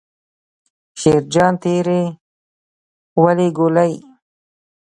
شیرجان تېرې ولي ګولۍ.